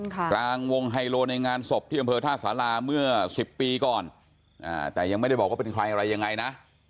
กลางวงไฮโลในงานศพที่อำเภอท่าสาราเมื่อ๑๐ปีก่อนแต่ยังไม่ได้บอกว่าเป็นใครอะไรยังไงนะ